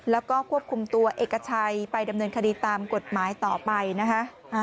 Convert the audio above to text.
แล้วก็ควบคุมตัวเอกชัยไปดำเนินคดีตามกฎหมายต่อไปนะคะ